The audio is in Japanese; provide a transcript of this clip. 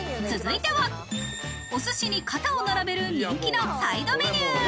続いてはお寿司に肩を並べる人気のサイドメニュー。